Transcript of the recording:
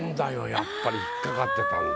やっぱり引っかかってたんだ。